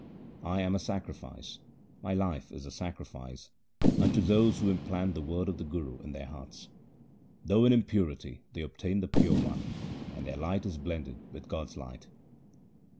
I am a sacrifice, my life is a sacrifice unto those who implant the Word of the Guru in their hearts. Though in impurity, they obtain the Pure One ; and their light is blended with God's light.